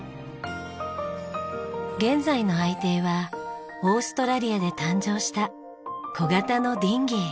現在の愛艇はオーストラリアで誕生した小型のディンギー。